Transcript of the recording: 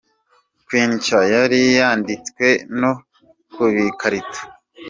Queen Cha yari yanditswe no kubikarito.